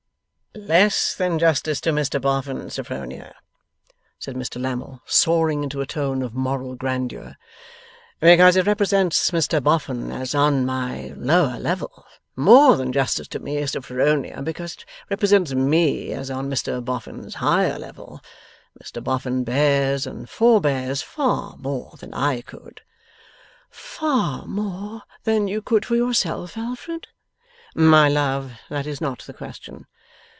'Less than justice to Mr Boffin, Sophronia,' said Mr Lammle, soaring into a tone of moral grandeur, 'because it represents Mr Boffin as on my lower level; more than justice to me, Sophronia, because it represents me as on Mr Boffin's higher level. Mr Boffin bears and forbears far more than I could.' 'Far more than you could for yourself, Alfred?' 'My love, that is not the question.